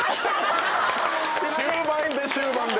終盤で終盤で！